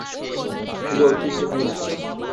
পুরো ঐতিহ্যবাহী নাচ।